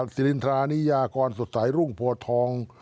ศิริณธรานิยากรสุสัยรุงพัทธอง